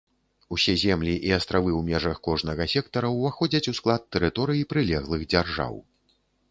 Усе землі і астравы ў межах кожнага сектара ўваходзяць у склад тэрыторый прылеглых дзяржаў.